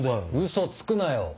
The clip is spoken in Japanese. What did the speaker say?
嘘つくなよ。